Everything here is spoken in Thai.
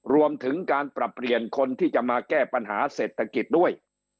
รวมถึงการปรับเปลี่ยนคนที่จะมาแก้ปัญหาเศรษฐกิจด้วย